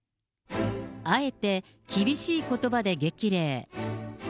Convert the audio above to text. あえて厳しいことばで激励。